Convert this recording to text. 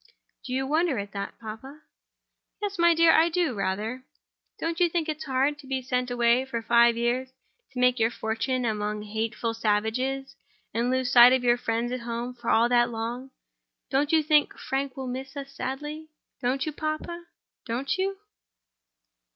"Do you wonder at that, papa?" "Yes, my dear; I do, rather." "Don't you think it's hard to be sent away for five years, to make your fortune among hateful savages, and lose sight of your friends at home for all that long time? Don't you think Frank will miss us sadly? Don't you, papa?—don't you?"